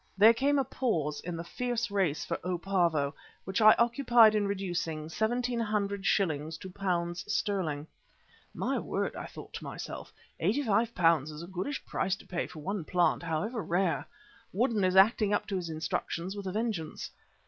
There came a pause in the fierce race for "O. Pavo," which I occupied in reducing seventeen hundred shillings to pounds sterling. My word! I thought to myself, £85 is a goodish price to pay for one plant, however rare. Woodden is acting up to his instructions with a vengeance.